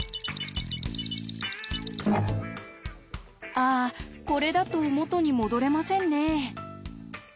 あこれだと元に戻れませんね。